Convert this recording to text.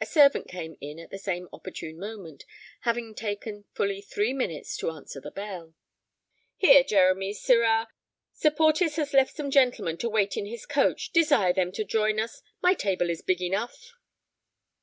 A servant came in at the same opportune moment, having taken fully three minutes to answer the bell. "Here, Jeremy, sirrah, Sir Porteus has left some gentlemen to wait in his coach. Desire them to join us; my table is big enough."